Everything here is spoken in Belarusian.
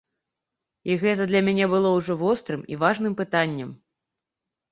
І гэта для мяне было ўжо вострым і важным пытаннем.